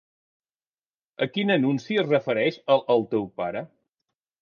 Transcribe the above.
A quin anunci es refereix el el teu pare?